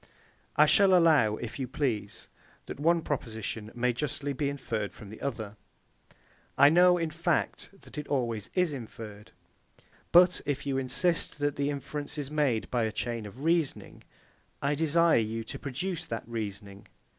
I shall allow, if you please, that the one proposition may justly be inferred from the other: I know, in fact, that it always is inferred. But if you insist that the inference is made by a chain of reasoning, I desire you to produce that reasoning.